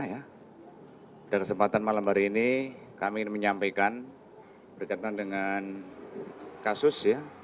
pada kesempatan malam hari ini kami ingin menyampaikan berkaitan dengan kasus